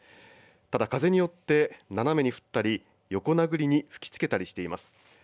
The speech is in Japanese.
ただ風によって斜めに降ったり横殴りに吹きつけたりしています。